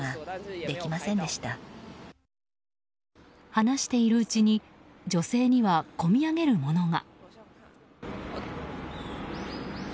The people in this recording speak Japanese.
話しているうちに女性には込み上げるものが。